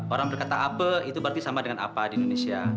orang berkata ape itu berarti sama dengan apa di indonesia